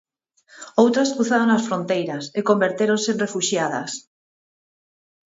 Outras cruzaron as fronteiras e convertéronse en refuxiadas.